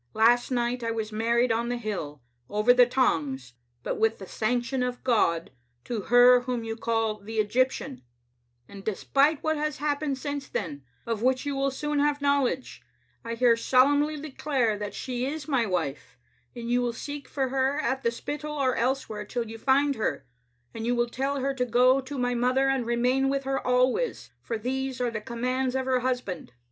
Last night I was married on the hill, over the tongs, but with the sanction of God, to her whom you call the Egyptian, and despite what has happened since then, of which you will soon have knowledge, I here solemnly declare that she is my wife, and you will seek for her at the Spittal or elsewhere till you find her, and you will tell her to go to my mother and remain with her always, for these are the commands of her husband."